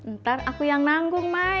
ntar aku yang nanggung ma